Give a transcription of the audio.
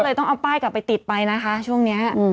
ต้องเอาป้ายกลับไปติดไปนะคะช่วงนี้